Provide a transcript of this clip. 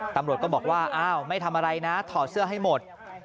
ตำรวจก็บอกว่าอ้าวไม่ทำอะไรนะถอดเสื้อให้หมด